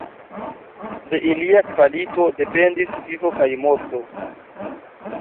De ilia kvalito dependis vivo kaj morto.